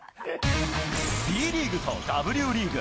ＢリーグとＷリーグ。